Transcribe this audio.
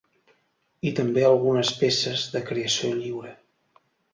I també algunes peces de creació lliure.